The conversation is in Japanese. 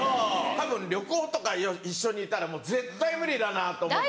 たぶん旅行とか一緒に行ったら絶対無理だなと思って。